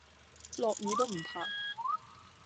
落雨都唔怕